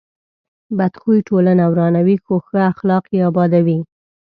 بد خوی ټولنه ورانوي، خو ښه اخلاق یې ابادوي.